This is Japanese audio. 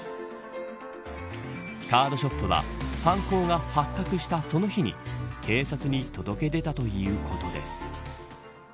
カードショップは犯行が発覚したその日に警察に届け出たということです。